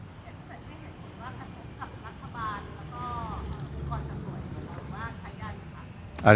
แล้วก็อุปกรณ์สำนวน